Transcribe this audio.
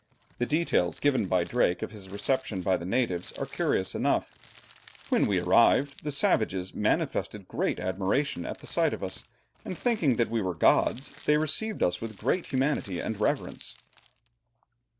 The details given by Drake of his reception by the natives, are curious enough: "When we arrived, the savages manifested great admiration at the sight of us, and thinking that we were gods, they received us with great humanity and reverence."